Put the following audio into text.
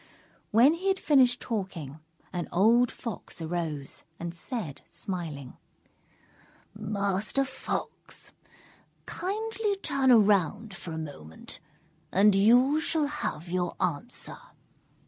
When he had finished talking, an old Fox arose, and said, smiling: "Master Fox, kindly turn around for a moment, and you shall have your answer."